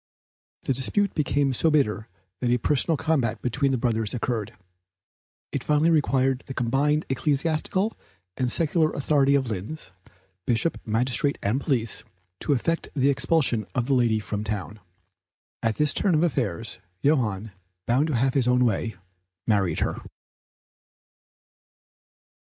The dispute became so bitter that a personal combat between the brothers occurred. It finally required the combined ecclesiastical and secular authority of Linz (bishop, magistrate and police), to effect the expulsion of the lady from town. At this turn of affairs, Johann, bound to have his own way, married her.